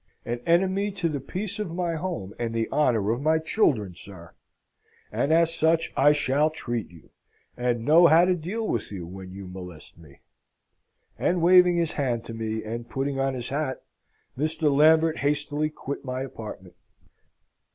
An enemy to the peace of my home and the honour of my children, sir! And as such I shall treat you, and know how to deal with you, when you molest me!" And, waving his hand to me, and putting on his hat, Mr. Lambert hastily quitted my apartment.